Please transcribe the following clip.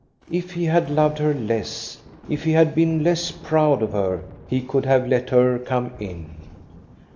If he had loved her less, if he had been less proud of her, he could have let her come in.